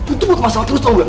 itu buat masalah terus tau gak